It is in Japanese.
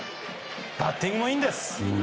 バッティングもいいんです。